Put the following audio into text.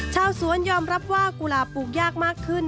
ชาวสวนยอมรับว่ากุหลาบปลูกยากมากขึ้น